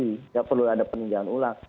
tidak perlu ada peninjauan ulang